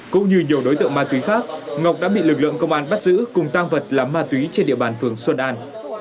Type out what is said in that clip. cũng như nhiều đối tượng ma túy khác ngọc đã bị lực lượng công an bắt giữ cùng tăng vật là ma túy trên địa bàn phường xuân an